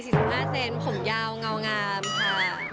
๔๕เซนผมยาวเงากามค่ะ